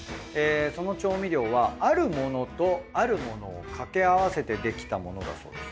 その調味料はあるものとあるものをかけあわせてできたものだそうです。